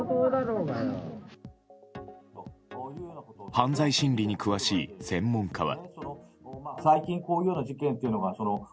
犯罪心理に詳しい専門家は。